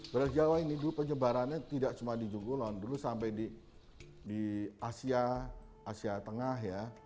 badak jawa ini dulu penyebarannya tidak cuma di ujung kulon dulu sampai di asia tenggara